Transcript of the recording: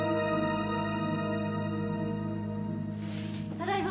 ただいま。